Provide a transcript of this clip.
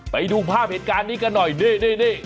ไปดูภาพเหตุการณ์นี้กันหน่อยนี่